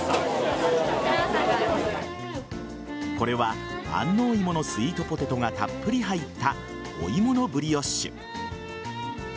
これは安納芋のスイートポテトがたっぷり入ったお芋のブリオッシュ。